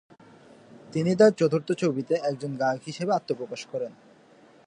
তিনি তার চতুর্থ ছবিতে একজন গায়ক হিসেবে আত্মপ্রকাশ করেন।